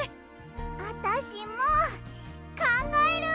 あたしもかんがえる！